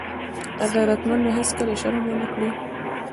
غیرتمند به هېڅکله شرم ونه کړي